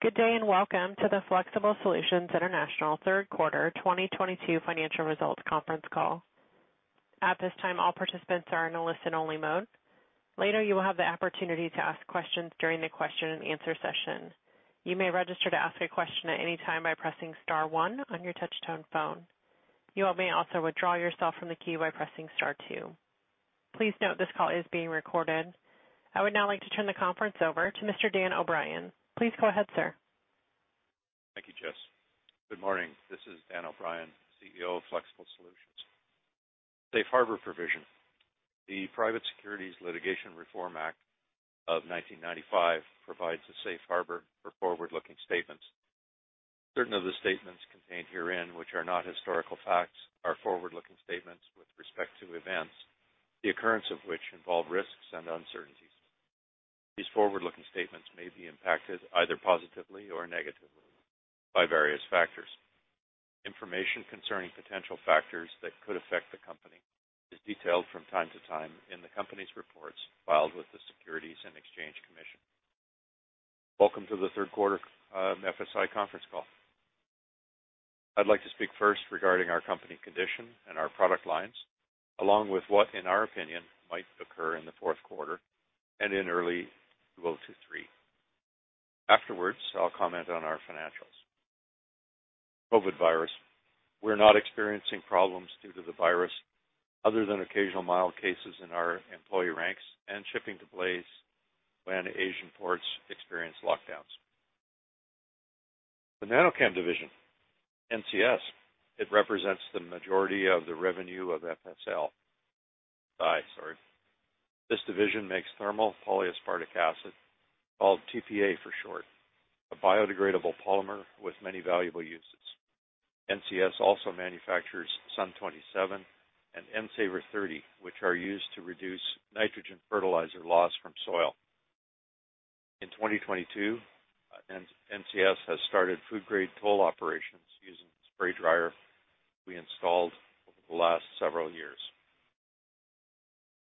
Good day, and welcome to the Flexible Solutions International third quarter 2022 financial results conference call. At this time, all participants are in a listen-only mode. Later, you will have the opportunity to ask questions during the question and answer session. You may register to ask a question at any time by pressing star one on your touch-tone phone. You may also withdraw yourself from the queue by pressing star two. Please note this call is being recorded. I would now like to turn the conference over to Mr. Dan O'Brien. Please go ahead, sir. Thank you, Jess. Good morning. This is Dan O'Brien, CEO of Flexible Solutions. Safe harbor provision. The Private Securities Litigation Reform Act of 1995 provides a safe harbor for forward-looking statements. Certain of the statements contained herein which are not historical facts are forward-looking statements with respect to events, the occurrence of which involve risks and uncertainties. These forward-looking statements may be impacted either positively or negatively by various factors. Information concerning potential factors that could affect the company is detailed from time to time in the company's reports filed with the Securities and Exchange Commission. Welcome to the third quarter FSI conference call. I'd like to speak first regarding our company condition and our product lines, along with what in our opinion might occur in the fourth quarter and in early 2023. Afterwards, I'll comment on our financials. COVID virus. We're not experiencing problems due to the virus other than occasional mild cases in our employee ranks and shipping delays when Asian ports experience lockdowns. The NanoChem division, NCS, it represents the majority of the revenue of FSI. This division makes thermal polyaspartic acid, called TPA for short, a biodegradable polymer with many valuable uses. NCS also manufactures SUN 27 and N Savr 30, which are used to reduce nitrogen fertilizer loss from soil. In 2022, NCS has started food grade toll operations using the spray dryer we installed over the last several years.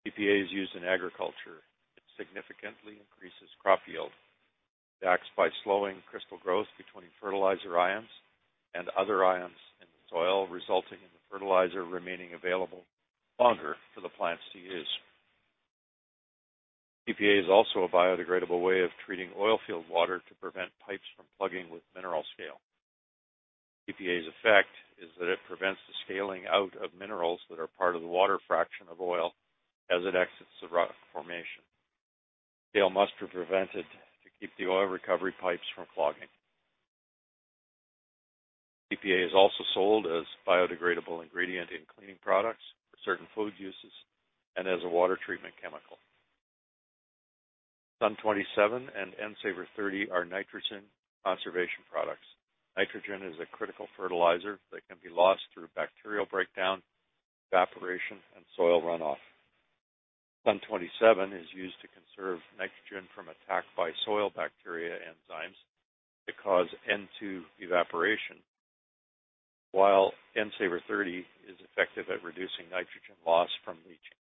TPA is used in agriculture. It significantly increases crop yield. It acts by slowing crystal growth between fertilizer ions and other ions in the soil, resulting in the fertilizer remaining available longer for the plants to use. TPA is also a biodegradable way of treating oil field water to prevent pipes from plugging with mineral scale. TPA's effect is that it prevents the scaling out of minerals that are part of the water fraction of oil as it exits the rock formation. Scale must be prevented to keep the oil recovery pipes from clogging. TPA is also sold as biodegradable ingredient in cleaning products for certain food uses and as a water treatment chemical. SUN 27 and N Savr 30 are nitrogen conservation products. Nitrogen is a critical fertilizer that can be lost through bacterial breakdown, evaporation, and soil runoff. SUN 27 is used to conserve nitrogen from attack by soil bacteria enzymes that cause N2 evaporation. While N Savr 30 is effective at reducing nitrogen loss from leaching.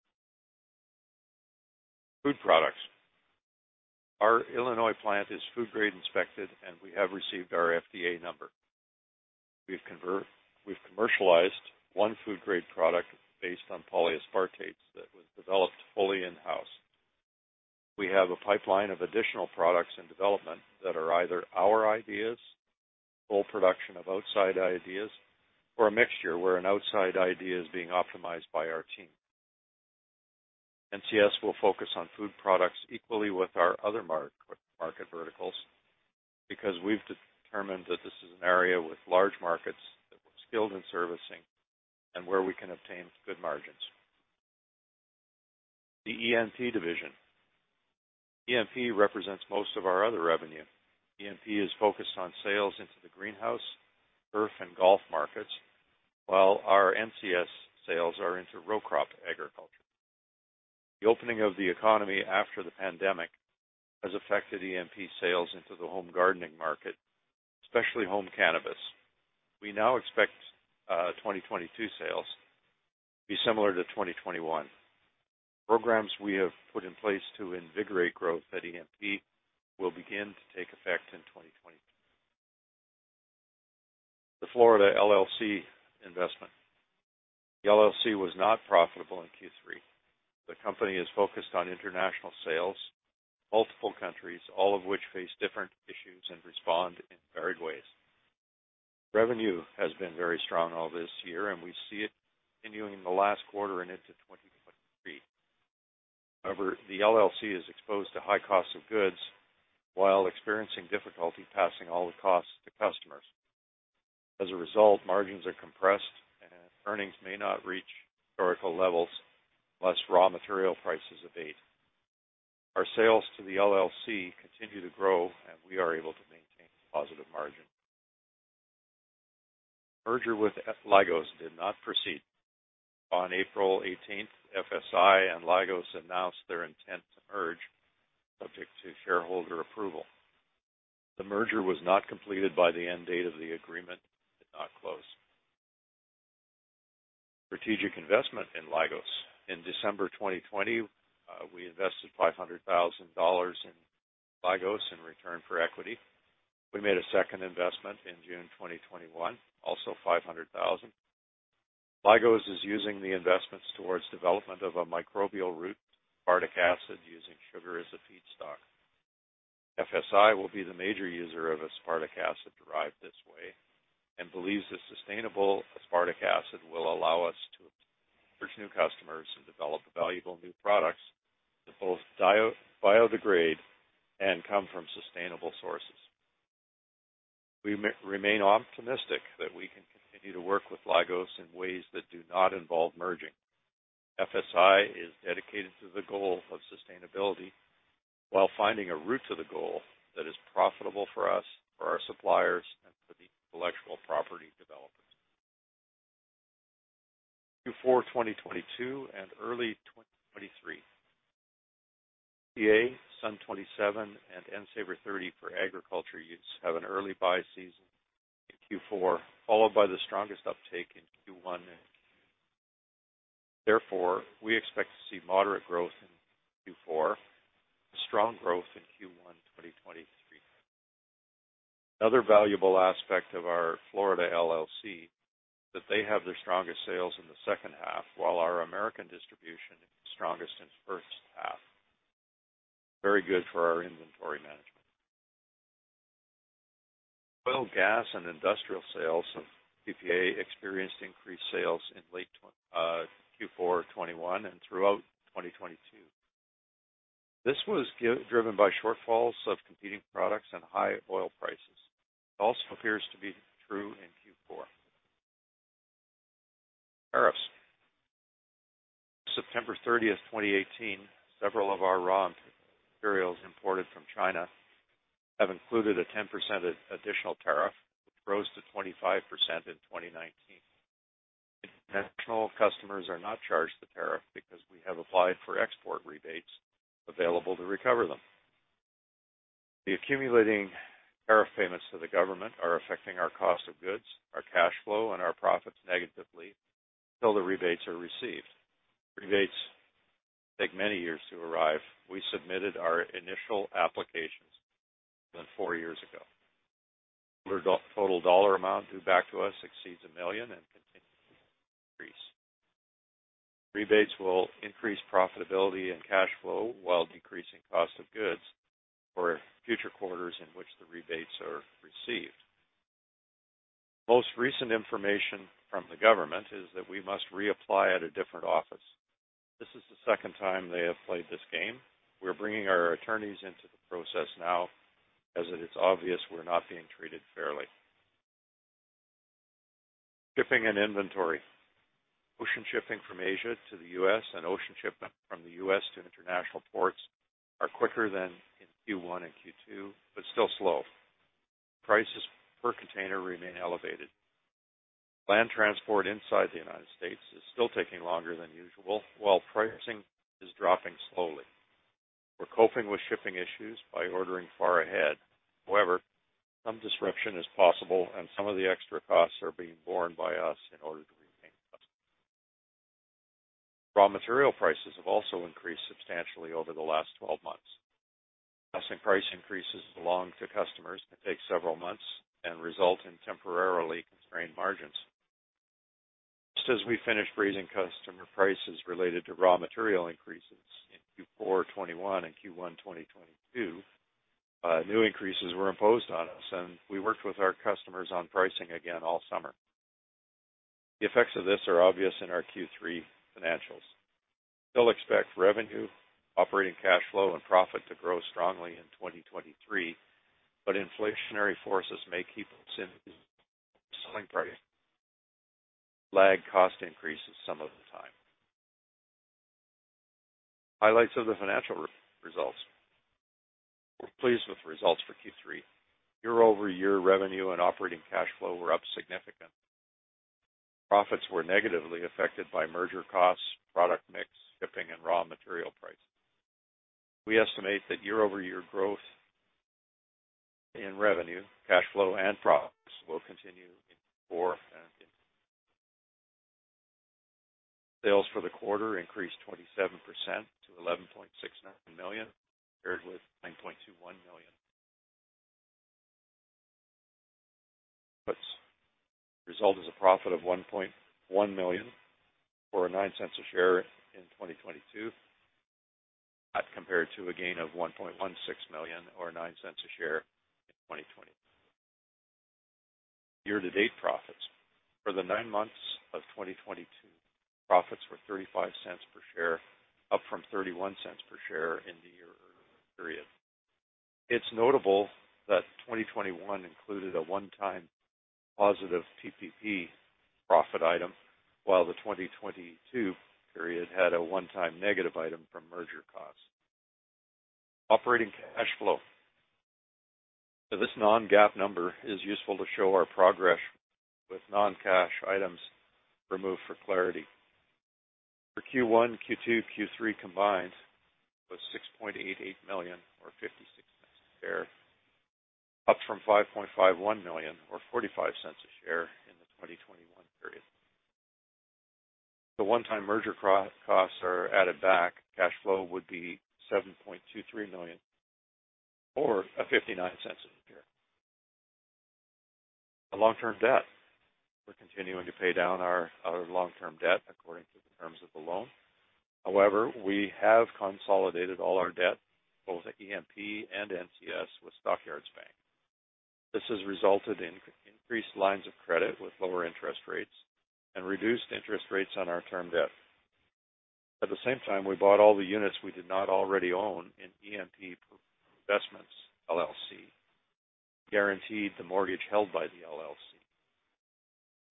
Food products. Our Illinois plant is food grade inspected, and we have received our FDA number. We've conver, We've commercialized one food grade product based on polyaspartates that was developed fully in-house. We have a pipeline of additional products in development that are either our ideas, full production of outside ideas, or a mixture where an outside idea is being optimized by our team. NCS will focus on food products equally with our other market verticals, because we've determined that this is an area with large markets that we're skilled in servicing and where we can obtain good margins. The ENP division represents most of our other revenue. ENP is focused on sales into the greenhouse, turf, and golf markets, while our NCS sales are into row crop agriculture. The opening of the economy after the pandemic has affected ENP sales into the home gardening market, especially home cannabis. We now expect 2022 sales to be similar to 2021. Programs we have put in place to invigorate growth at ENP will begin to take effect in 2023. The Florida LLC investment. The LLC was not profitable in Q3. The company is focused on international sales, multiple countries, all of which face different issues and respond in varied ways. Revenue has been very strong all this year, and we see it continuing the last quarter and into 2023. However, the LLC is exposed to high cost of goods while experiencing difficulty passing all the costs to customers. As a result, margins are compressed and earnings may not reach historical levels unless raw material prices abate. Our sales to the LLC continue to grow, and we are able to maintain a positive margin. Merger with Lygos did not proceed. On April 18, FSI and Lygos announced their intent to merge, subject to shareholder approval. The merger was not completed by the end date of the agreement. It did not close. Strategic investment in Lygos. In December 2020, we invested $500,000 in Lygos in return for equity. We made a second investment in June 2021, also $500,000. Lygos is using the investments towards development of a microbial route aspartic acid using sugar as a feedstock. FSI will be the major user of aspartic acid derived this way, and believes the sustainable aspartic acid will allow us to approach new customers and develop valuable new products that both biodegrade and come from sustainable sources. We remain optimistic that we can continue to work with Lygos in ways that do not involve merging. FSI is dedicated to the goal of sustainability while finding a route to the goal that is profitable for us, for our suppliers, and for the intellectual property developers. Q4 2022 and early 2023. TPA, SUN 27, and N Savr 30 for agriculture use have an early buy season in Q4, followed by the strongest uptake in Q1. Therefore, we expect to see moderate growth in Q4, a strong growth in Q1 2023. Another valuable aspect of our Florida LLC, that they have their strongest sales in the second half, while our American distribution is strongest in the first half. Very good for our inventory management. Oil, gas, and industrial sales of TPA experienced increased sales in late Q4 2021 and throughout 2022. This was driven by shortfalls of competing products and high oil prices. It also appears to be true in Q4. Tariffs. September 30, 2018, several of our raw materials imported from China have included a 10% additional tariff, which rose to 25% in 2019. International customers are not charged the tariff because we have applied for export rebates available to recover them. The accumulating tariff payments to the government are affecting our cost of goods, our cash flow, and our profits negatively until the rebates are received. Rebates take many years to arrive. We submitted our initial applications more than four years ago. The total dollar amount due back to us exceeds $1 million and continues to increase. Rebates will increase profitability and cash flow while decreasing cost of goods for future quarters in which the rebates are received. Most recent information from the government is that we must reapply at a different office. This is the second time they have played this game. We're bringing our attorneys into the process now, as it is obvious we're not being treated fairly. Shipping and inventory. Ocean shipping from Asia to the U.S. and ocean shipment from the U.S. to international ports are quicker than in Q1 and Q2, but still slow. Prices per container remain elevated. Land transport inside the United States is still taking longer than usual, while pricing is dropping slowly. We're coping with shipping issues by ordering far ahead. However, some disruption is possible, and some of the extra costs are being borne by us in order to retain customers. Raw material prices have also increased substantially over the last 12 months. Passing price increases along to customers can take several months and result in temporarily constrained margins. Just as we finished raising customer prices related to raw material increases in Q4 2021 and Q1 2022, new increases were imposed on us, and we worked with our customers on pricing again all summer. The effects of this are obvious in our Q3 financials. We still expect revenue, operating cash flow, and profit to grow strongly in 2023, but inflationary forces may keep us in selling price lag cost increases some of the time. Highlights of the financial results. We're pleased with results for Q3. Year-over-year revenue and operating cash flow were up significantly. Profits were negatively affected by merger costs, product mix, shipping, and raw material prices. We estimate that year-over-year growth in revenue, cash flow, and profits will continue in Q4 and into sales for the quarter increased 27% to $11.69 million, compared with $9.21 million. The result is a profit of $1.1 million, or $0.09 per share in 2022. That compared to a gain of $1.16 million or $0.09 per share in 2020. Year-to-date profits. For the nine months of 2022, profits were $0.35 per share, up from $0.31 per share in the year earlier period. It's notable that 2021 included a one-time positive PPP profit item, while the 2022 period had a one-time negative item from merger costs. Operating cash flow. This non-GAAP number is useful to show our progress with non-cash items removed for clarity. For Q1, Q2, Q3 combined was $6.88 million or $0.56 per share, up from $5.51 million or $0.45 per share in the 2021 period. The one-time merger costs are added back. Cash flow would be $7.23 million or $0.59 a share. Our long-term debt. We're continuing to pay down our long-term debt according to the terms of the loan. However, we have consolidated all our debt, both at ENP and NCS with Stock Yards Bank. This has resulted in increased lines of credit with lower interest rates and reduced interest rates on our term debt. At the same time, we bought all the units we did not already own in ENP Investments, LLC, guaranteed the mortgage held by the LLC.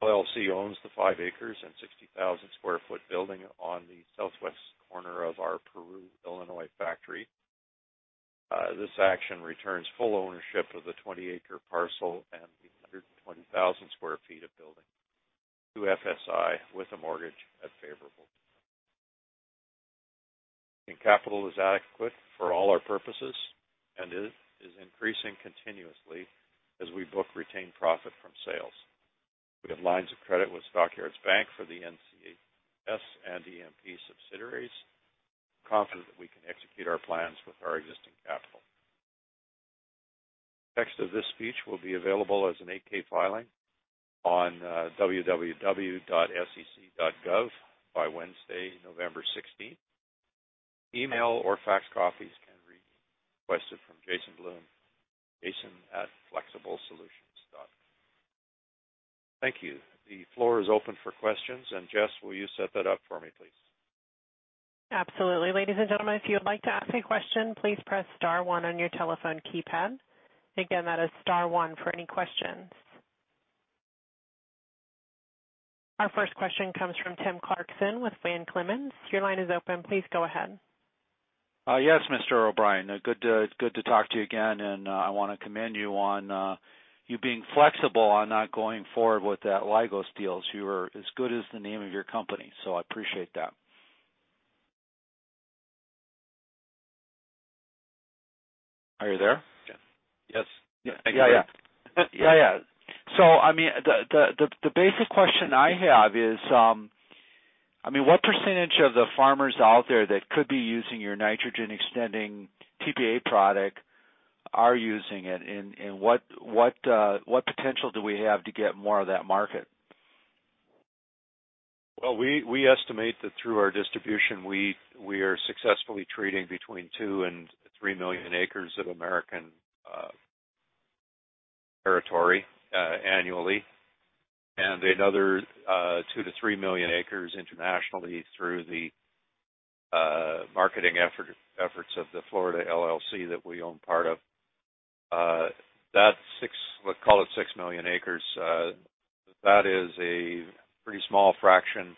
LLC owns the 5 acres and 60,000 sq ft building on the southwest corner of our Peru, Illinois factory. This action returns full ownership of the 20-acre parcel and the 120,000 sq ft of building to FSI with a mortgage at favorable terms. Capital is adequate for all our purposes and is increasing continuously as we book retained profit from sales. We have lines of credit with Stock Yards Bank for the NCS and ENP subsidiaries. Confident that we can execute our plans with our existing capital. Text of this speech will be available as an 8-K filing on sec.gov by Wednesday, November sixteenth. Email or fax copies can be requested from Jason Bloom, jason@flexiblesolutions.com. Thank you. The floor is open for questions. Jess, will you set that up for me, please? Absolutely. Ladies and gentlemen, if you would like to ask a question, please press star one on your telephone keypad. Again, that is star one for any questions. Our first question comes from Tim Clarkson with Van Clemens. Your line is open. Please go ahead. Yes, Mr. O'Brien. Good to talk to you again. I wanna commend you on you being flexible on not going forward with that Lygos deal. You are as good as the name of your company, so I appreciate that. Are you there? Yes. Yeah. Yeah, yeah. I mean, the basic question I have is, I mean, what percentage of the farmers out there that could be using your nitrogen extending TPA product are using it? What potential do we have to get more of that market? Well, we estimate that through our distribution, we are successfully treating between 2 and 3 million acres of American territory annually. Another 2-3 million acres internationally through the marketing efforts of the Florida LLC that we own part of. Let's call it 6 million acres. That is a pretty small fraction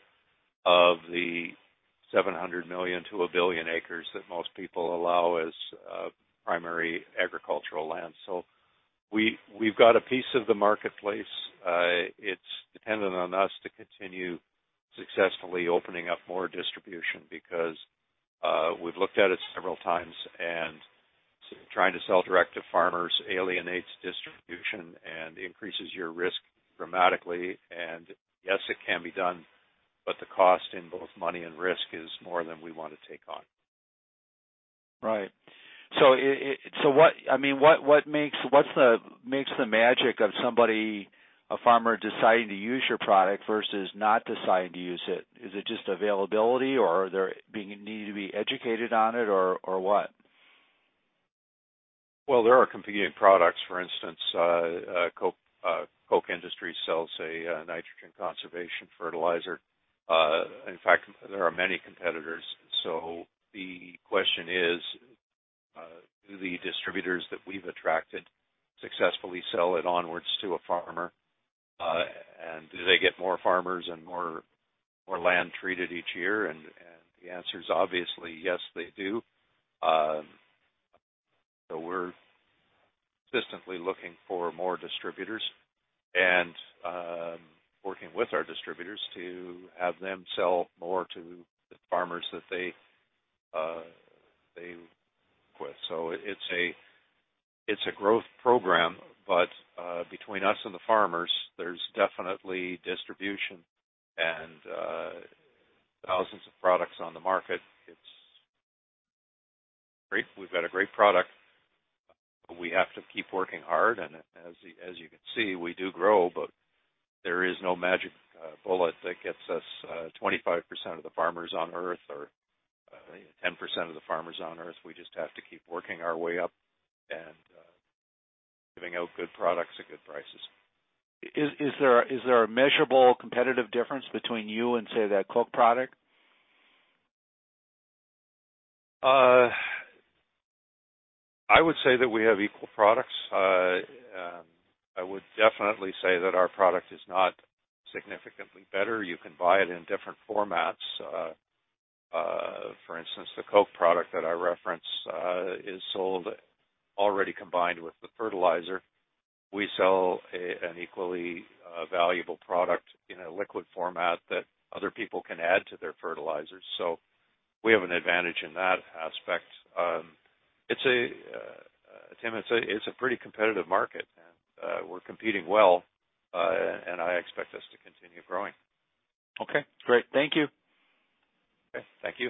of the 700 million-1 billion acres that most people allow as primary agricultural land. We've got a piece of the marketplace. It's dependent on us to continue successfully opening up more distribution because we've looked at it several times, and trying to sell direct to farmers alienates distribution and increases your risk dramatically. Yes, it can be done, but the cost in both money and risk is more than we wanna take on. Right. I mean, what makes the magic of somebody, a farmer deciding to use your product versus not deciding to use it? Is it just availability or need to be educated on it or what? Well, there are competing products. For instance, Koch Industries sells a nitrogen conservation fertilizer. In fact, there are many competitors. The question is, do the distributors that we've attracted successfully sell it onwards to a farmer? Do they get more farmers and more land treated each year? The answer is obviously yes, they do. We're consistently looking for more distributors and working with our distributors to have them sell more to the farmers that they work with. It's a growth program. Between us and the farmers, there's definitely distribution and thousands of products on the market. It's great. We've got a great product. We have to keep working hard and as you can see, we do grow, but there is no magic bullet that gets us 25% of the farmers on Earth or 10% of the farmers on Earth. We just have to keep working our way up and giving out good products at good prices. Is there a measurable competitive difference between you and, say, that Koch product? I would say that we have equal products. I would definitely say that our product is not significantly better. You can buy it in different formats. For instance, the Koch product that I referenced is sold already combined with the fertilizer. We sell an equally valuable product in a liquid format that other people can add to their fertilizers. So we have an advantage in that aspect. It's a pretty competitive market, Tim. We're competing well, and I expect us to continue growing. Okay, great. Thank you. Okay. Thank you.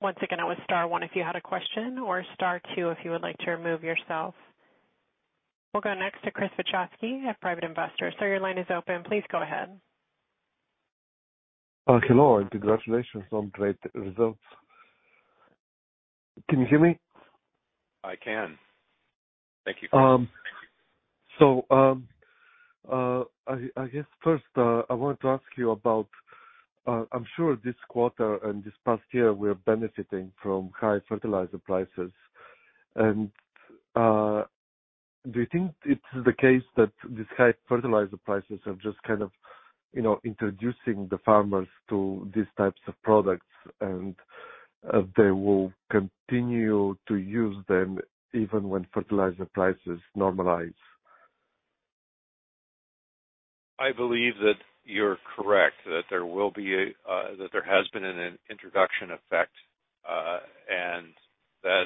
Once again, it was star one if you had a question or star two if you would like to remove yourself. We'll go next to Chris Wichowski at Private Investor. Sir, your line is open. Please go ahead. Hello, congratulations on great results. Can you hear me? I can. Thank you. I guess first I wanted to ask you about. I'm sure this quarter and this past year, we're benefiting from high fertilizer prices. Do you think it's the case that these high fertilizer prices have just kind of, you know, introducing the farmers to these types of products, and they will continue to use them even when fertilizer prices normalize? I believe that you're correct, that there will be a that there has been an introduction effect, and that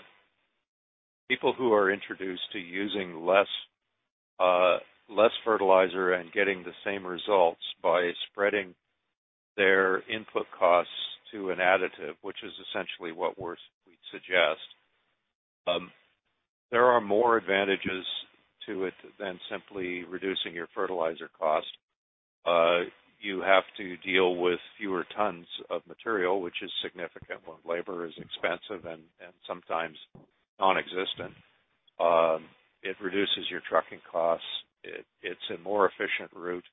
people who are introduced to using less fertilizer and getting the same results by spreading their input costs to an additive, which is essentially what we suggest. There are more advantages to it than simply reducing your fertilizer cost. You have to deal with fewer tons of material, which is significant when labor is expensive and sometimes nonexistent. It reduces your trucking costs. It's a more efficient route.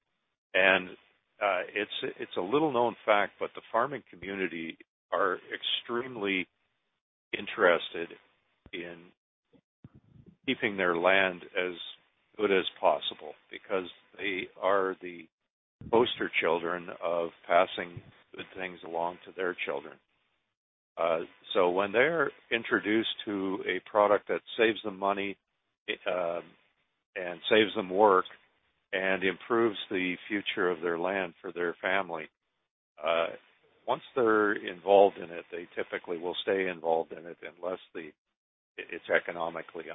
It's a little-known fact, but the farming community are extremely interested in keeping their land as good as possible because they are the poster children of passing good things along to their children. When they're introduced to a product that saves them money, and saves them work and improves the future of their land for their family, once they're involved in it, they typically will stay involved in it unless it's economically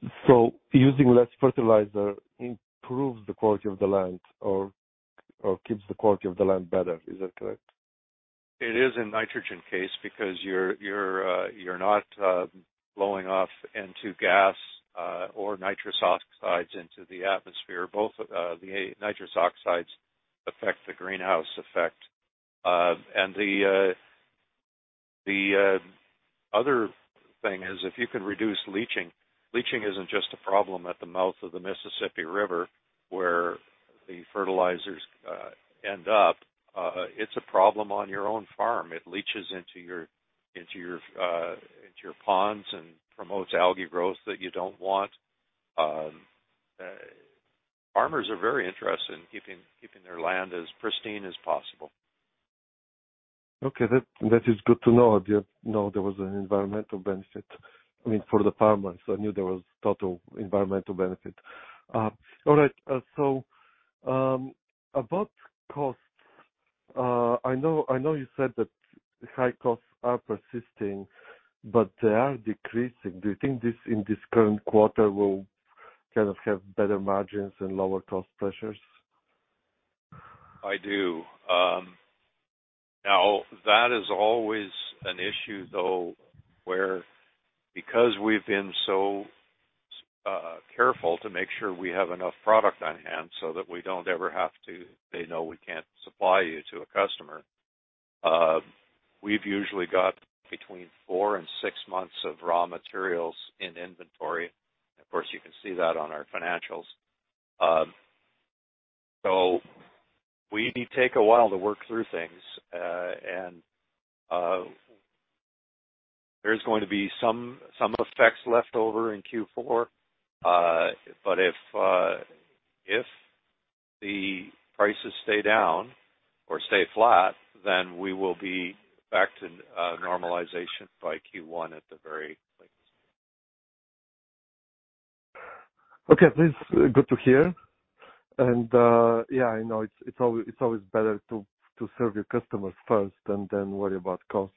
unfeasible. Using less fertilizer improves the quality of the land or keeps the quality of the land better. Is that correct? It is in nitrogen case because you're not blowing off N2 gas or nitrous oxide into the atmosphere. Both the nitrous oxide affect the greenhouse effect. The other thing is if you can reduce leaching. Leaching isn't just a problem at the mouth of the Mississippi River, where the fertilizers end up. It's a problem on your own farm. It leaches into your ponds and promotes algae growth that you don't want. Farmers are very interested in keeping their land as pristine as possible. Okay. That is good to know. I didn't know there was an environmental benefit, I mean, for the farmers. I knew there was total environmental benefit. All right. About costs, I know you said that high costs are persisting, but they are decreasing. Do you think, in this current quarter, will kind of have better margins and lower cost pressures? I do. Now that is always an issue, though, where because we've been so careful to make sure we have enough product on hand so that we don't ever have to say, "No, we can't supply you," to a customer, we've usually got between four and six months of raw materials in inventory. Of course, you can see that on our financials. We take a while to work through things. There's going to be some effects left over in Q4. If the prices stay down or stay flat, then we will be back to normalization by Q1 at the very latest. Okay. That is good to hear. I know it's always better to serve your customers first and then worry about costs.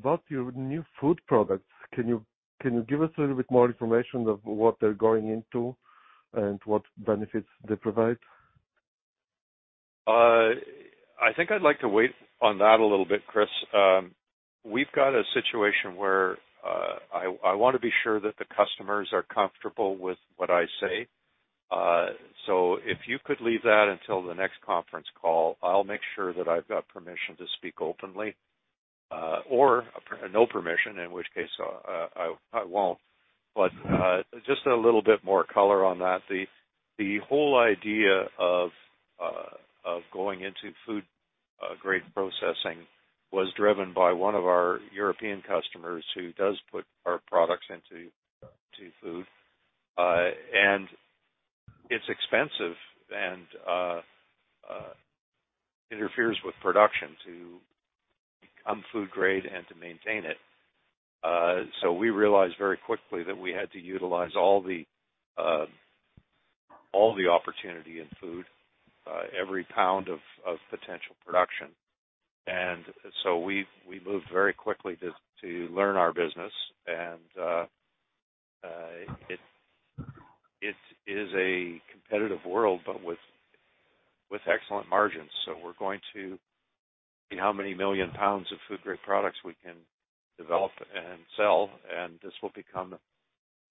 About your new food products, can you give us a little bit more information of what they're going into and what benefits they provide? I think I'd like to wait on that a little bit, Chris. We've got a situation where I wanna be sure that the customers are comfortable with what I say. If you could leave that until the next conference call, I'll make sure that I've got permission to speak openly, or no permission, in which case I won't. Just a little bit more color on that. The whole idea of going into food grade processing was driven by one of our European customers who does put our products into food. It's expensive and interferes with production to become food grade and to maintain it. We realized very quickly that we had to utilize all the opportunity in food every pound of potential production. We moved very quickly to learn our business and it is a competitive world, but with excellent margins. We're going to see how many million pounds of food grade products we can develop and sell, and this will become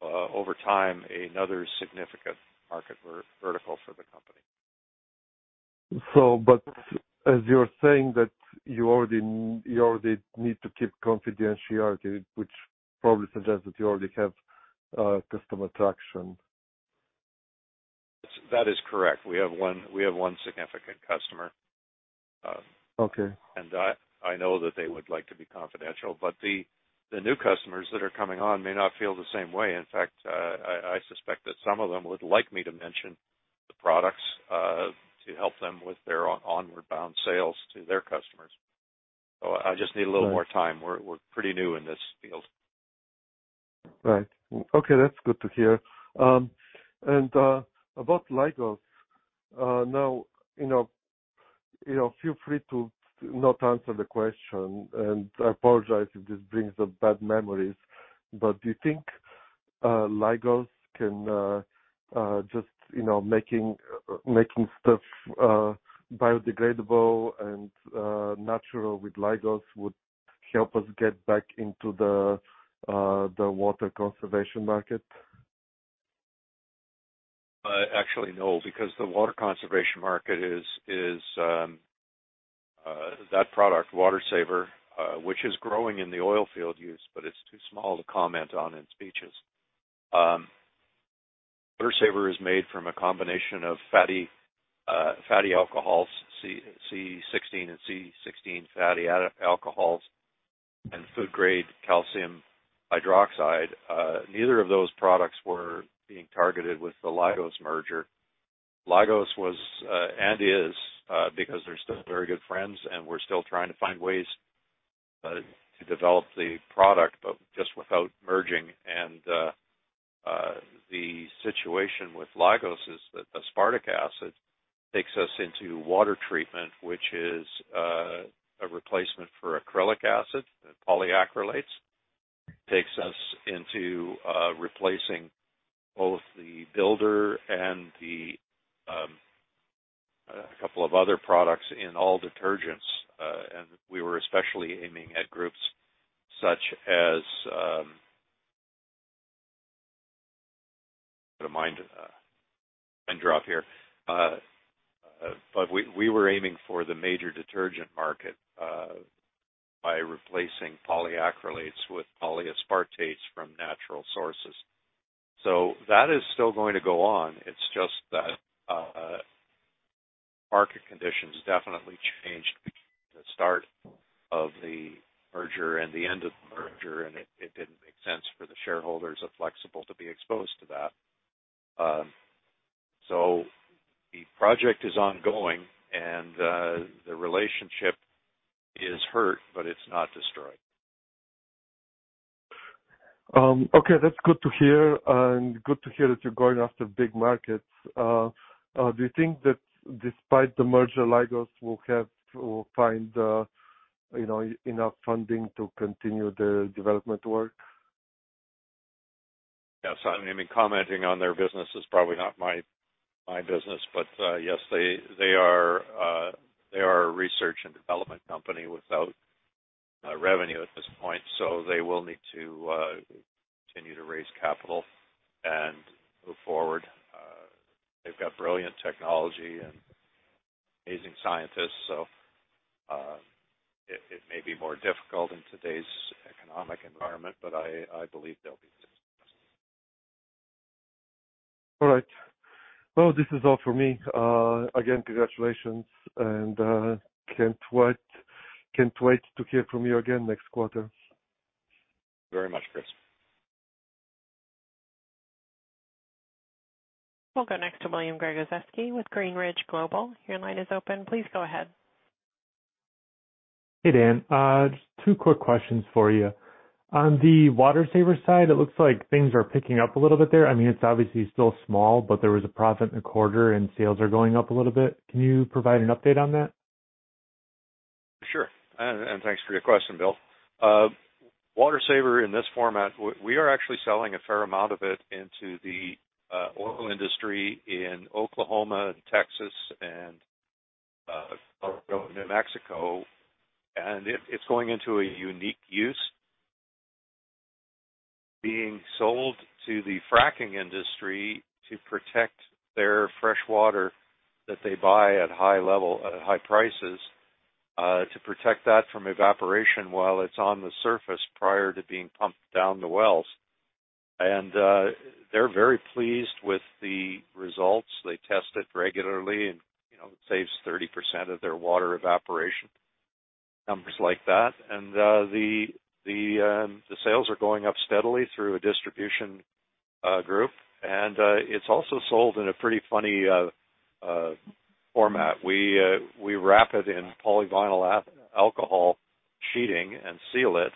over time another significant market vertical for the company. As you're saying that you already need to keep confidentiality, which probably suggests that you already have customer traction. That is correct. We have one significant customer. Okay. I know that they would like to be confidential, but the new customers that are coming on may not feel the same way. In fact, I suspect that some of them would like me to mention the products to help them with their onward bound sales to their customers. I just need a little more time. We're pretty new in this field. Right. Okay. That's good to hear. About Lygos. Now, you know, feel free to not answer the question, and I apologize if this brings up bad memories, but do you think Lygos can just, you know, making stuff biodegradable and natural with Lygos would help us get back into the water conservation market? Actually, no, because the water conservation market is that product, WaterSavr, which is growing in the oil field use, but it's too small to comment on in speeches. WaterSavr is made from a combination of fatty alcohols, C16 and C18 fatty alcohols and food grade calcium hydroxide. Neither of those products were being targeted with the Lygos merger. Lygos was and is because they're still very good friends, and we're still trying to find ways to develop the product, but just without merging. The situation with Lygos is that aspartic acid takes us into water treatment, which is a replacement for acrylic acid. The polyacrylates takes us into replacing both the builder and a couple of other products in all detergents. We were especially aiming for the major detergent market by replacing polyacrylates with polyaspartates from natural sources. That is still going to go on. It's just that market conditions definitely changed between the start of the merger and the end of the merger, and it didn't make sense for the shareholders of Flexible to be exposed to that. The project is ongoing and the relationship is hurt, but it's not destroyed. Okay, that's good to hear that you're going after big markets. Do you think that despite the merger, Lygos will have to find, you know, enough funding to continue the development work? Yes. I mean, commenting on their business is probably not my business, but yes, they are a research and development company without revenue at this point. They will need to continue to raise capital and move forward. They've got brilliant technology and amazing scientists, so it may be more difficult in today's economic environment, but I believe they'll be successful. All right. Well, this is all for me. Again, congratulations, and can't wait to hear from you again next quarter. Very much, Chris. We'll go next to William Gregozeski with Greenridge Global. Your line is open. Please go ahead. Hey, Dan. Just two quick questions for you. On the WaterSavr side, it looks like things are picking up a little bit there. I mean, it's obviously still small, but there was a profit in the quarter, and sales are going up a little bit. Can you provide an update on that? Sure. Thanks for your question, Bill. WaterSavr in this format, we are actually selling a fair amount of it into the oil industry in Oklahoma and Texas and part of New Mexico. It's going into a unique use. Being sold to the fracking industry to protect their fresh water that they buy at high level, high prices, to protect that from evaporation while it's on the surface prior to being pumped down the wells. They're very pleased with the results. They test it regularly and, you know, it saves 30% of their water evaporation. Numbers like that. The sales are going up steadily through a distribution group. It's also sold in a pretty funny format. We wrap it in polyvinyl alcohol sheeting and seal it.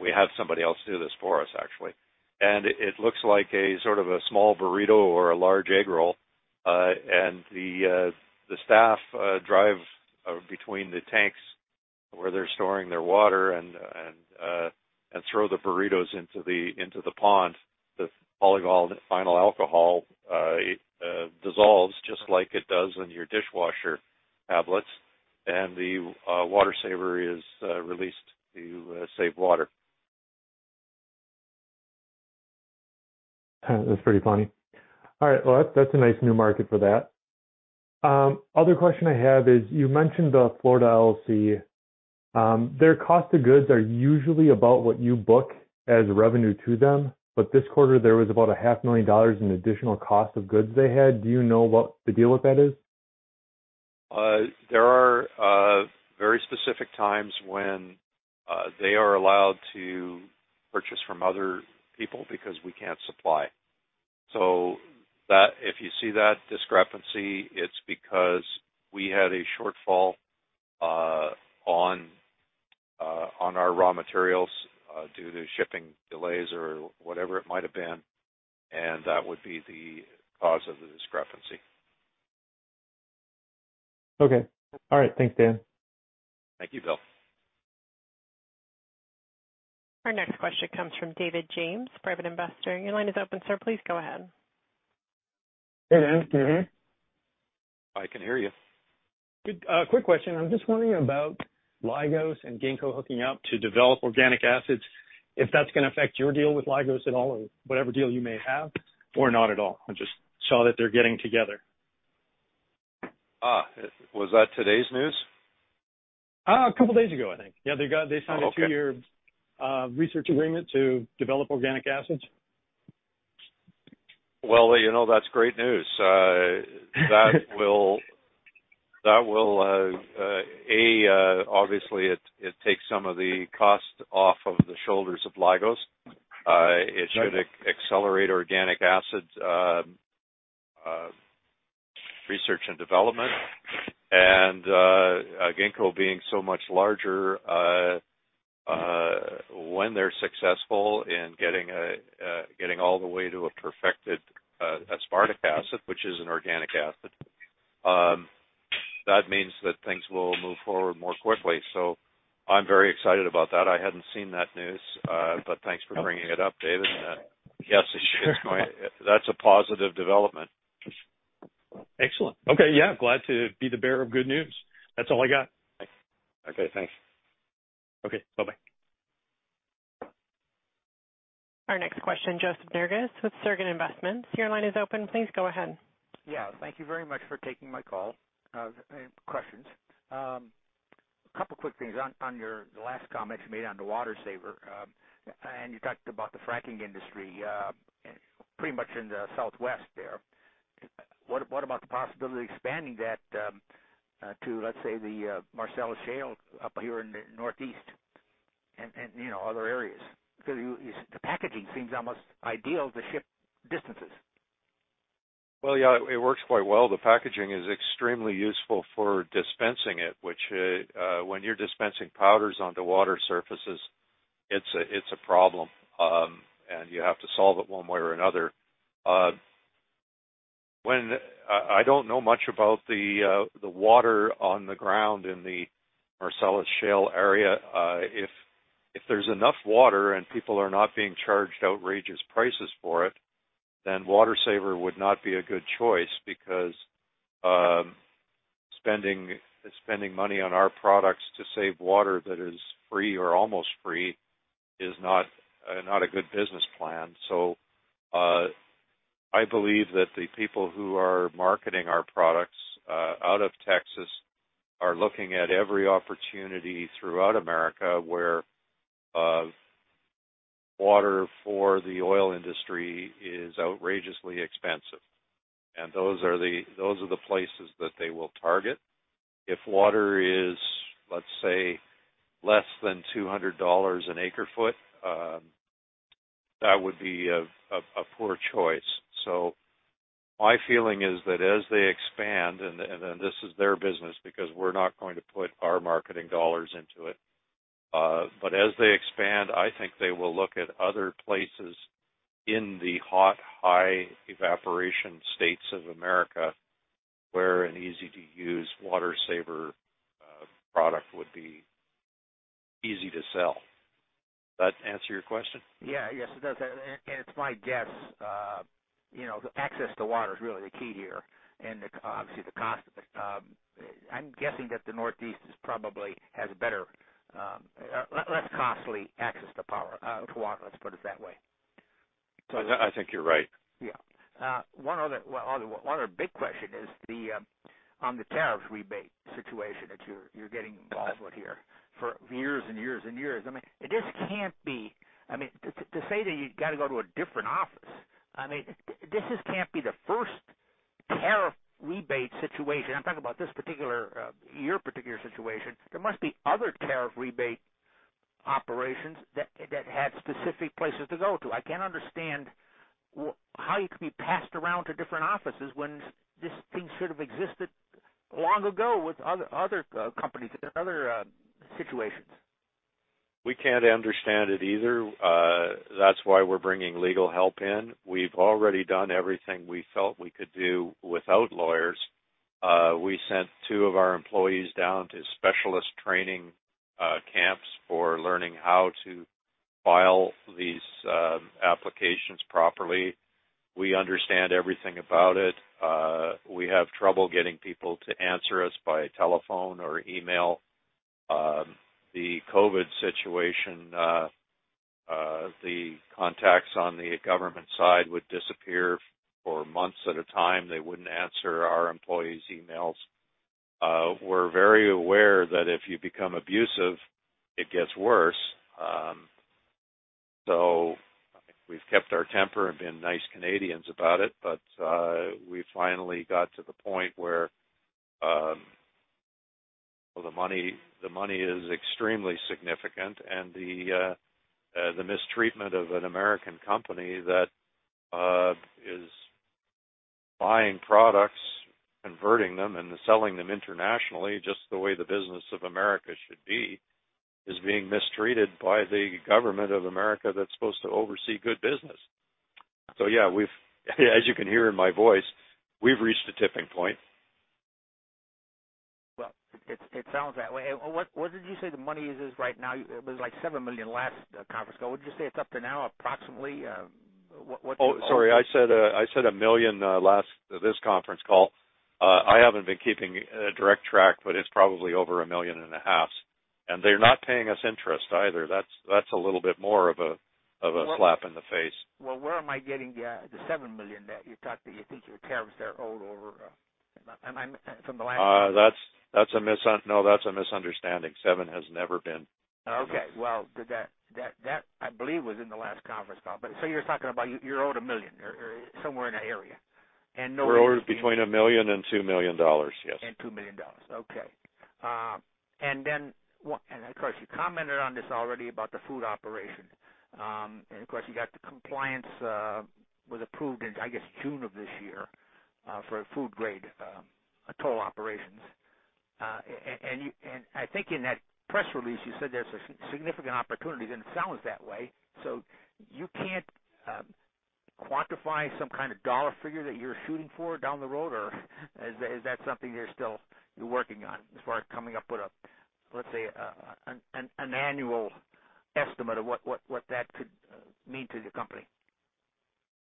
We have somebody else do this for us, actually. It looks like a sort of a small burrito or a large egg roll. The staff drive between the tanks where they're storing their water and throw the burritos into the pond. The polyvinyl alcohol it dissolves just like it does in your dishwasher tablets. The WaterSavr is released to save water. That's pretty funny. All right. Well, that's a nice new market for that. Other question I have is, you mentioned the Florida LLC. Their cost of goods are usually about what you book as revenue to them, but this quarter, there was about a half million dollars in additional cost of goods they had. Do you know what the deal with that is? There are very specific times when they are allowed to purchase from other people because we can't supply. If you see that discrepancy, it's because we had a shortfall on our raw materials due to shipping delays or whatever it might have been, and that would be the cause of the discrepancy. Okay. All right. Thanks, Dan. Thank you, Bill. Our next question comes from David James, Private Investor. Your line is open, sir. Please go ahead. Hey, Dan. Can you hear me? I can hear you. Good. Quick question. I'm just wondering about Lygos and Ginkgo hooking up to develop organic acids, if that's gonna affect your deal with Lygos at all or whatever deal you may have or not at all. I just saw that they're getting together. Was that today's news? A couple days ago, I think. Okay. They signed a two-year research agreement to develop organic acids. Well, you know, that's great news. That will obviously take some of the cost off of the shoulders of Lygos. It should accelerate organic acids research and development. Ginkgo being so much larger, when they're successful in getting all the way to a perfected aspartic acid, which is an organic acid, that means that things will move forward more quickly. I'm very excited about that. I hadn't seen that news, but thanks for bringing it up, David. Yes, it should- Sure. That's a positive development. Excellent. Okay. Yeah, glad to be the bearer of good news. That's all I got. Okay, thanks. Okay, bye-bye. Our next question, Joseph Nerges with Segren Investments. Your line is open. Please go ahead. Yeah. Thank you very much for taking my call. Questions. A couple quick things. On your last comments you made on the WaterSavr, and you talked about the fracking industry pretty much in the Southwest there. What about the possibility of expanding that to, let's say, the Marcellus Shale up here in the Northeast and you know other areas? Because the packaging seems almost ideal to ship distances Well, yeah, it works quite well. The packaging is extremely useful for dispensing it, which, when you're dispensing powders onto water surfaces, it's a problem. You have to solve it one way or another. I don't know much about the water on the ground in the Marcellus Shale area. If there's enough water and people are not being charged outrageous prices for it, then WaterSavr would not be a good choice because spending money on our products to save water that is free or almost free is not a good business plan. I believe that the people who are marketing our products out of Texas are looking at every opportunity throughout America where water for the oil industry is outrageously expensive. Those are the places that they will target. If water is, let's say, less than $200 an acre foot, that would be a poor choice. My feeling is that as they expand, this is their business because we're not going to put our marketing dollars into it. As they expand, I think they will look at other places in the hot, high evaporation states of America where an easy-to-use WaterSavr product would be easy to sell. That answer your question? Yeah. Yes, it does. It's my guess, you know, access to water is really the key here and, obviously, the cost. I'm guessing that the Northeast is probably has better, less costly access to power, to water, let's put it that way. I think you're right. One other big question is on the tariff rebate situation that you're getting involved with here for years and years and years. I mean, it just can't be. I mean, to say that you've got to go to a different office. I mean, this just can't be the first tariff rebate situation. I'm talking about this particular your particular situation. There must be other tariff rebate operations that have specific places to go to. I can't understand how you can be passed around to different offices when this thing should have existed long ago with other companies, other situations. We can't understand it either. That's why we're bringing legal help in. We've already done everything we felt we could do without lawyers. We sent two of our employees down to specialist training camps for learning how to file these applications properly. We understand everything about it. We have trouble getting people to answer us by telephone or email. The COVID situation, the contacts on the government side would disappear for months at a time. They wouldn't answer our employees' emails. We're very aware that if you become abusive, it gets worse. We've kept our temper and been nice Canadians about it. We finally got to the point where the money is extremely significant. The mistreatment of an American company that is buying products, converting them, and selling them internationally, just the way the business of America should be, is being mistreated by the government of America that's supposed to oversee good business. Yeah, as you can hear in my voice, we've reached a tipping point. Well, it sounds that way. What did you say the money is right now? It was like $7 million last conference call. Would you say it's up to now, approximately what? Oh, sorry. I said $1 million last this conference call. I haven't been keeping a direct track, but it's probably over $1.5 million. They're not paying us interest either. That's a little bit more of a slap in the face. Where am I getting the $7 million that you thought that you think your tariffs, they're owed over? From the last No, that's a misunderstanding. Seven has never been Well, that I believe was in the last conference call. You're talking about you're owed $1 million or somewhere in that area, and no interest is being We're owed between $1 million and $2 million, yes. $2 million. Okay. Of course, you commented on this already about the food operation. Of course, you got the compliance was approved in, I guess, June of this year, for food grade toll operations. I think in that press release, you said there's a significant opportunity, and it sounds that way. You can't quantify some kind of dollar figure that you're shooting for down the road, or is that something you're still working on as far as coming up with a, let's say, an annual estimate of what that could mean to the company?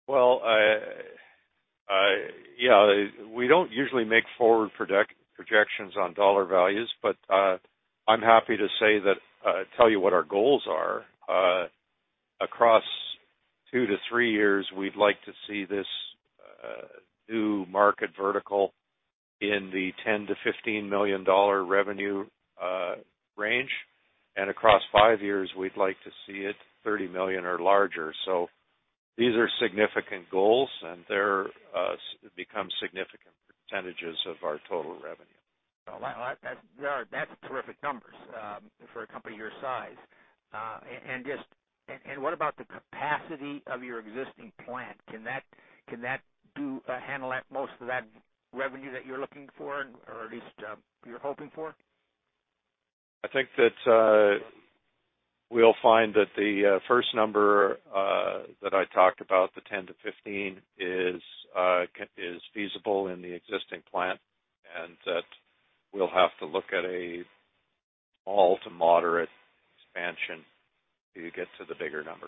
Well, yeah, we don't usually make forward projections on dollar values, but, I'm happy to say that, tell you what our goals are. Across two to three years, we'd like to see this new market vertical in the $10 million-$15 million revenue range. Across five years, we'd like to see it $30 million or larger. These are significant goals, and they're become significant percentages of our total revenue. Well, that's terrific numbers for a company your size. What about the capacity of your existing plant? Can that handle most of that revenue that you're looking for or at least you're hoping for? I think that we'll find that the first number that I talked about, the 10-15, is feasible in the existing plant, and that we'll have to look at a small to moderate expansion to get to the bigger number.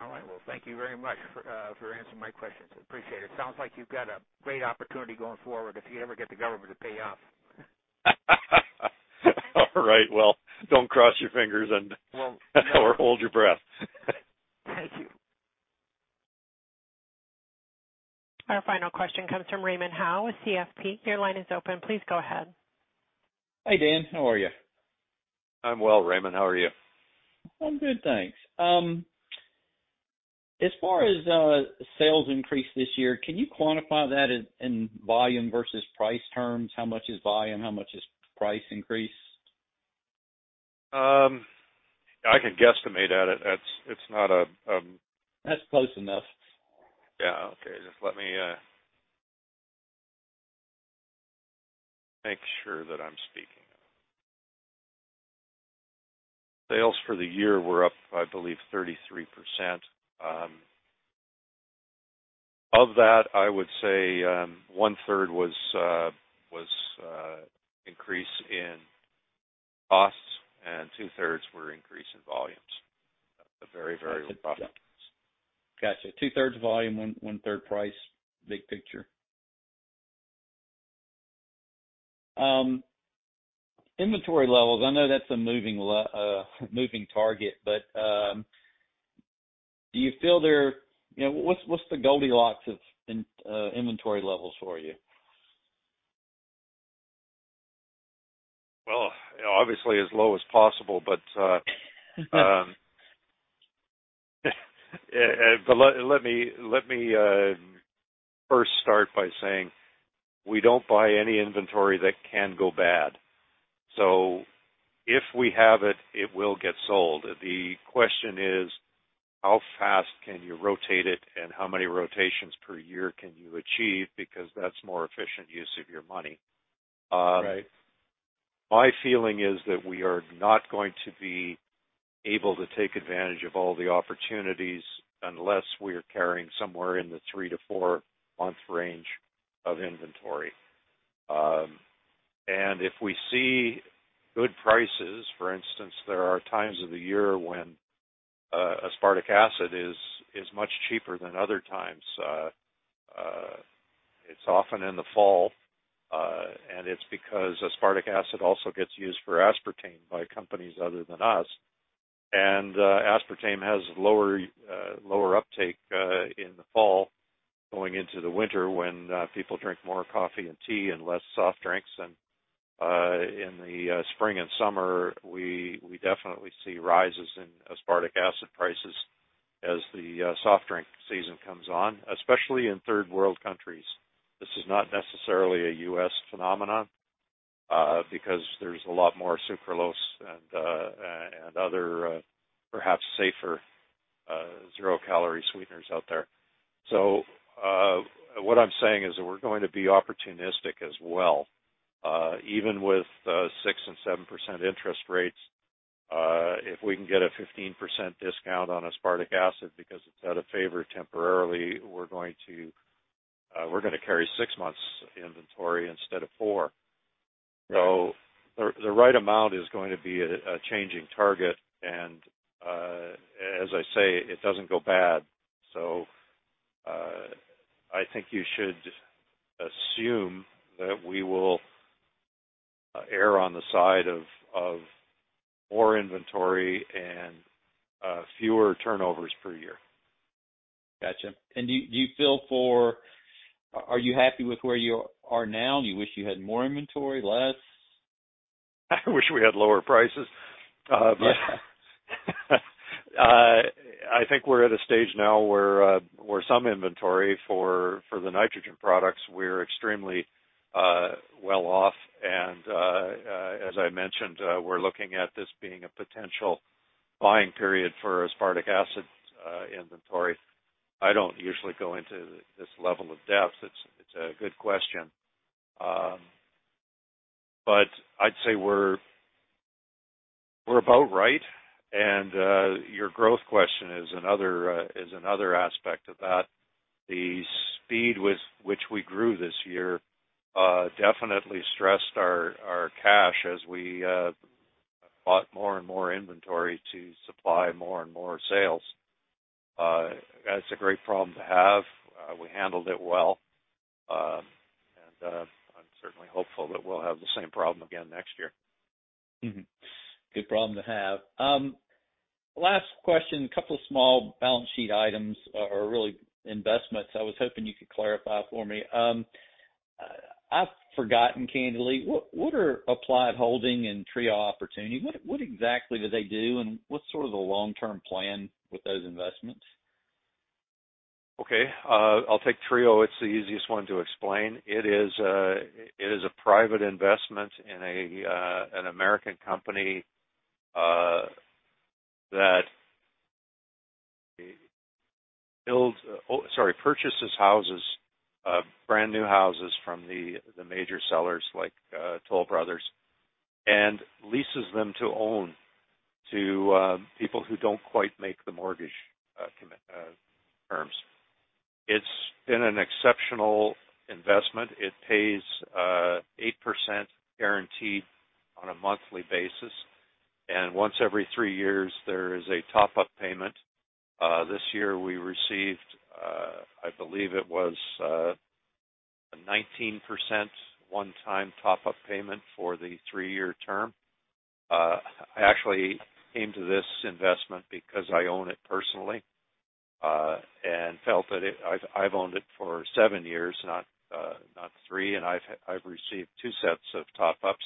All right. Well, thank you very much for answering my questions. Appreciate it. Sounds like you've got a great opportunity going forward if you ever get the government to pay up. All right. Well, don't cross your fingers. Well- Hold your breath. Thank you. Our final question comes from Raymond Howe with CFP. Your line is open. Please go ahead. Hi, Dan. How are you? I'm well, Raymond. How are you? I'm good, thanks. As far as sales increase this year, can you quantify that in volume versus price terms? How much is volume? How much is price increase? I can guesstimate at it. It's not a. That's close enough. Just let me make sure that I'm speaking. Sales for the year were up, I believe, 33%. Of that, I would say, 1/3 was increase in costs, and 2/3 were increase in volumes. A very, very rough estimate. Got you. 2/3 volume, 1/3 price, big picture. Inventory levels, I know that's a moving target, but do you feel there. You know, what's the Goldilocks of inventory levels for you? Well, obviously as low as possible. Let me first start by saying we don't buy any inventory that can go bad. If we have it will get sold. The question is, how fast can you rotate it and how many rotations per year can you achieve? Because that's more efficient use of your money. Right. My feeling is that we are not going to be able to take advantage of all the opportunities unless we are carrying somewhere in the three to four month range of inventory. If we see good prices, for instance, there are times of the year when aspartic acid is much cheaper than other times. It's often in the fall, and it's because aspartic acid also gets used for aspartame by companies other than us. Aspartame has lower uptake in the fall going into the winter when people drink more coffee and tea and less soft drinks. In the spring and summer, we definitely see rises in aspartic acid prices as the soft drink season comes on, especially in third world countries. This is not necessarily a U.S. phenomenon, because there's a lot more sucralose and other, perhaps safer, zero-calorie sweeteners out there. What I'm saying is that we're going to be opportunistic as well. Even with 6% and 7% interest rates, if we can get a 15% discount on aspartic acid because it's out of favor temporarily, we're gonna carry six months inventory instead of four. The right amount is going to be a changing target. As I say, it doesn't go bad. I think you should assume that we will err on the side of more inventory and fewer turnovers per year. Gotcha. Are you happy with where you are now? Do you wish you had more inventory, less? I wish we had lower prices. Yeah. I think we're at a stage now where some inventory for the nitrogen products, we're extremely well off. As I mentioned, we're looking at this being a potential buying period for aspartic acid inventory. I don't usually go into this level of depth. It's a good question. But I'd say we're about right. Your growth question is another aspect of that. The speed with which we grew this year definitely stressed our cash as we bought more and more inventory to supply more and more sales. That's a great problem to have. We handled it well. I'm certainly hopeful that we'll have the same problem again next year. Mm-hmm. Good problem to have. Last question, a couple of small balance sheet items or really investments I was hoping you could clarify for me. I've forgotten, candidly, what are Applied Holdings. and Trio Opportunity? What exactly do they do, and what's sort of the long-term plan with those investments? Okay. I'll take Trio. It's the easiest one to explain. It is a private investment in an American company that purchases houses, brand new houses from the major sellers like Toll Brothers, and leases them to own to people who don't quite make the mortgage terms. It's been an exceptional investment. It pays 8% guaranteed on a monthly basis. Once every three years, there is a top-up payment. This year we received, I believe it was, a 19% one-time top-up payment for the three-year term. I actually came to this investment because I own it personally, and felt that it. I've owned it for seven years, not three, and I've received two sets of top-ups.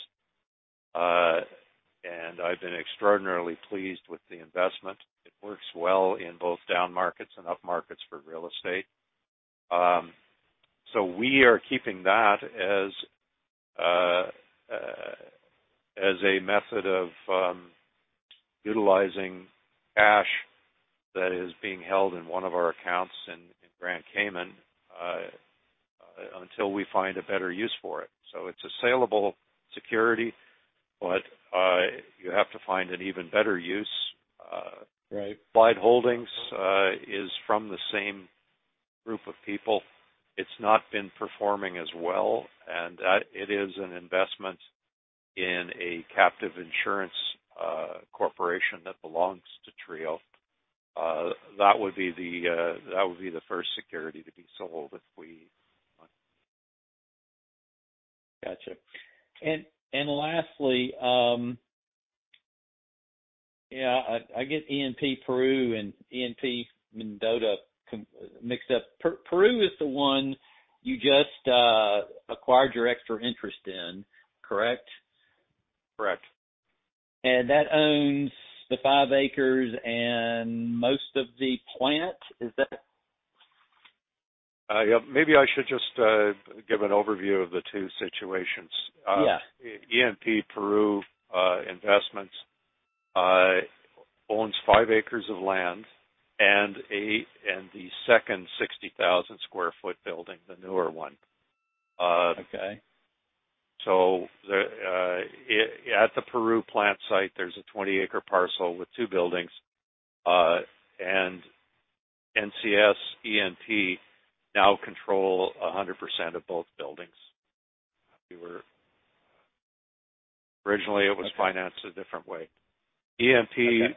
I've been extraordinarily pleased with the investment. It works well in both down markets and up markets for real estate. We are keeping that as a method of utilizing cash that is being held in one of our accounts in Grand Cayman until we find a better use for it. It's a saleable security, but you have to find an even better use. Right. Applied Holdings is from the same group of people. It's not been performing as well, and it is an investment in a captive insurance corporation that belongs to Trio. That would be the first security to be sold if we. Gotcha. Lastly, I get ENP Peru and ENP Mendota mixed up. Peru is the one you just acquired your extra interest in, correct? Correct. That owns the fives acres and most of the plant, is that? Yeah. Maybe I should just give an overview of the two situations. Yeah. ENP Peru Investments owns five acres of land and the second 60,000 sq ft building, the newer one. Okay. At the Peru plant site, there's a 20 acre parcel with two buildings. NCS ENP now control 100% of both buildings. Originally, it was financed a different way. Okay.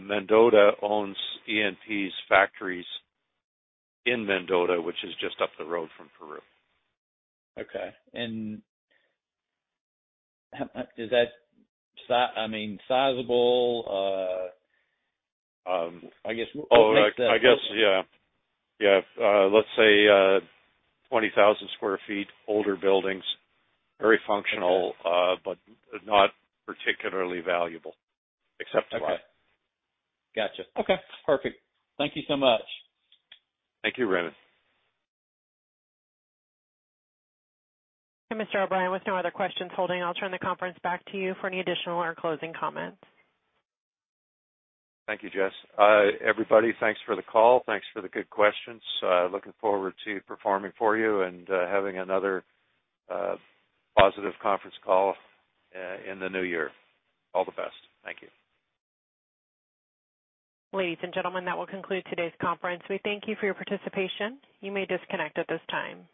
Mendota owns ENP's factories in Mendota, which is just up the road from Peru. Okay. I mean, sizable, I guess. Oh, I guess, yeah. Yeah. Let's say 20,000 sq ft, older buildings. Very functional. Okay. not particularly valuable except to us. Okay. Gotcha. Okay. Perfect. Thank you so much. Thank you, Raymond. Mr. O'Brien, with no other questions holding, I'll turn the conference back to you for any additional or closing comments. Thank you, Jess. Everybody, thanks for the call. Thanks for the good questions. Looking forward to performing for you and having another positive conference call in the new year. All the best. Thank you. Ladies and gentlemen, that will conclude today's conference. We thank you for your participation. You may disconnect at this time.